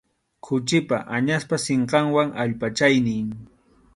Khuchipa, añaspa sinqanwan allpachaynin.